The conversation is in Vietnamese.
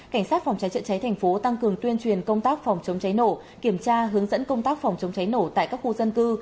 cảnh sát phòng cháy chữa cháy thành phố tăng cường tuyên truyền công tác phòng chống cháy nổ kiểm tra hướng dẫn công tác phòng chống cháy nổ tại các khu dân cư